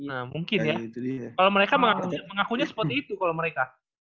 nah mungkin ya kalau mereka mengakunya seperti itu kalau mereka